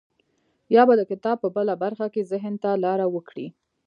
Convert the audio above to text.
يا به د کتاب په بله برخه کې ذهن ته لاره وکړي.